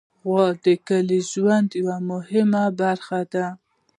غوا د کلي ژوند یوه مهمه برخه ده.